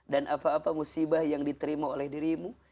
apa apa musibah yang diterima oleh dirimu